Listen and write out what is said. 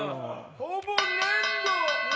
ほぼ粘土。